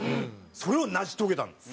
それを成し遂げたんです。